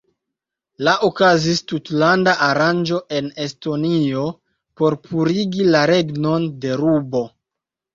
La okazis tutlanda aranĝo en Estonio por purigi la regnon de rubo.